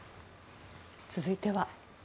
続いては。